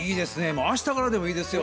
もう明日からでもいいですよ。